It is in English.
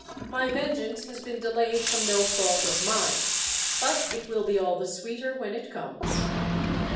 My vengeance has been delayed from no fault of mine, but it will be all the sweeter when it comes.